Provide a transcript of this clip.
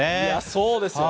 そうですよ。